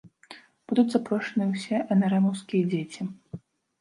Будуць запрошаныя ўсе энэрэмаўскія дзеці.